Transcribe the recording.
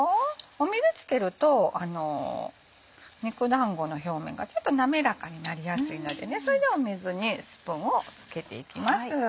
水つけると肉だんごの表面がちょっと滑らかになりやすいのでそれで水にスプーンをつけていきます。